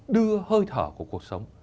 đưa hơi thở của cuộc sống